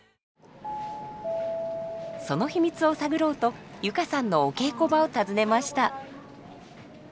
その秘密を探ろうと佑歌さんのお稽古場を訪ねました。